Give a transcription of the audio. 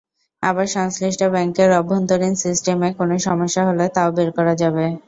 আবার সংশ্লিষ্ট ব্যাংকের অভ্যন্তরীণ সিস্টেমে কোনো সমস্যা হলে তাও বের করা যাবে।